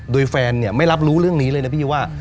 โดยแฟนเนี่ยไม่รับรู้เรื่องนี้เลยนะพี่ว่า